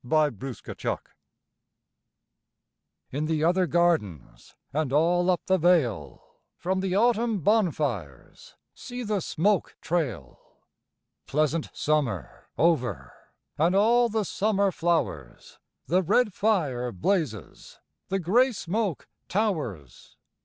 VI Autumn Fires In the other gardens And all up the vale, From the autumn bonfires See the smoke trail! Pleasant summer over And all the summer flowers, The red fire blazes, The grey smoke towers.